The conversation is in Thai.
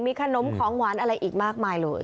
มีขนมของหวานอะไรอีกมากมายเลย